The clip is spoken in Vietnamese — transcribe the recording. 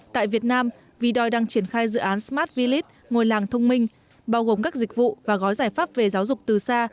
tại việt nam vidoi đang triển khai dự án smart vlip ngồi làng thông minh bao gồm các dịch vụ và gói giải pháp về giáo dục từ xa